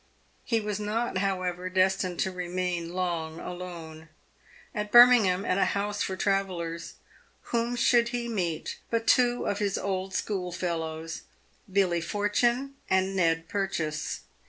He was not, however, destined to remain long alone. At Birming ham, at a house for travellers, whom should he meet but two of his old schoolfellows ^^ilJy^Fpjjaiue and Ned Purchase